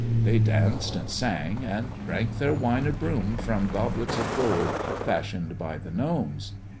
They danced and sang, and drank their wine o' broom from goblets of gold fashioned by the gnomes.